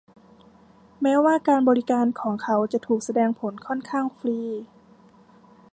แม้ว่าการบริการของเขาจะถูกแสดงผลค่อนข้างฟรี